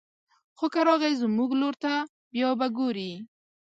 خو که راغی زموږ لور ته بيا به ګوري